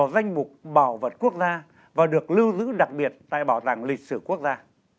vào bảo vật quốc gia và được lưu giữ đặc biệt tại bảo tàng lịch sử quốc gia